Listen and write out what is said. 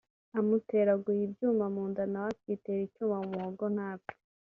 amuteraguye ibyuma mu nda nawe akitera icyuma mu muhogo ntapfe